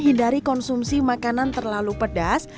hindari konsumsi makanan terlalu pedas